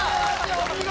お見事！